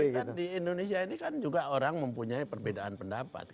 ya tapi kan di indonesia ini kan juga orang mempunyai perbedaan pendapat kan